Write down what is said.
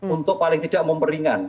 untuk paling tidak memperingkan